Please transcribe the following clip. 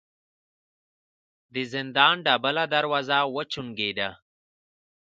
د زندان ډبله دروازه وچونګېده.